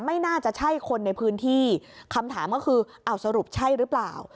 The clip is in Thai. ไม่น่าจะใช่คนในพื้นที่คำถามก็คือเอาสรุปใช่หรือเปล่า